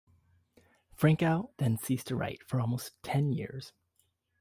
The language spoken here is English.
Frankau then ceased to write for almost ten years.